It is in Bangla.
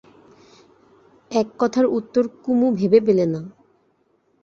এ কথার উত্তর কুমু ভেবে পেলে না।